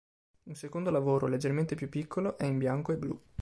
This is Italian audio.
Un secondo lavoro, leggermente più piccolo, è in bianco e blu.